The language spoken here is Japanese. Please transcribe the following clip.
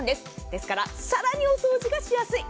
ですからさらにお掃除がしやすい。